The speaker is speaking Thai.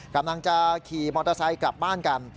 กำลังจะขี่มอเตอร์ไซค์กลับบ้านกัน